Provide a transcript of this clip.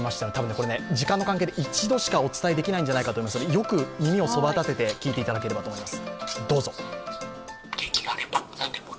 これ、時間の関係で１度しかお伝えできないと思いますがよく耳をそばだてて聞いていただければと思います。